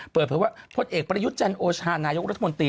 เปิดเพราะว่าพลตประยุทธ์จันทร์โอชาญนายกรัฐมนตรี